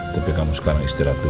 tapi kamu sekarang istirahat tuh